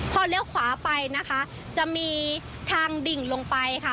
พอเลี้ยวขวาไปนะคะจะมีทางดิ่งลงไปค่ะ